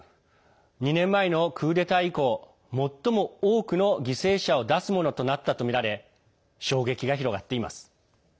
２年前のクーデター以降最も多くの犠牲者を出すものとなったとみられ衝撃が広がっています。